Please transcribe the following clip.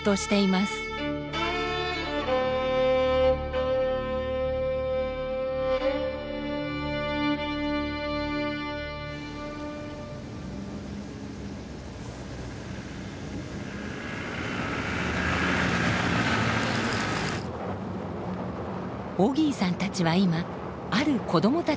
オギーさんたちは今ある子どもたちを追っています。